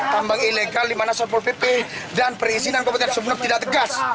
tambang ilegal di mana sampul pp dan perizinan kabupaten sumeneb tidak tegas